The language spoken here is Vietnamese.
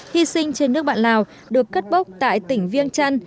hy sinh trên nước bạn lào được cất bốc tại tỉnh viêng trăn